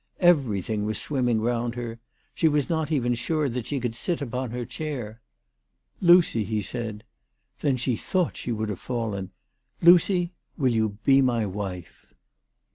Everything was swimming round her. She was not even sure that she could sit upon her chair. " Lucy," he said ; then she thought she would have fallen ;" Lucy, will you be my wife?"